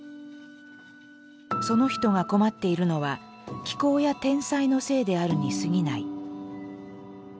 その人が困っているのは気候や天災のせいであるにすぎない。